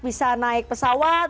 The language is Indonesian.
bisa naik pesawat